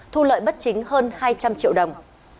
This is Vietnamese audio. thu lợi bất chính hơn hai trăm linh triệu đồng